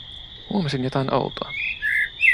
Huomasin jotain outoa: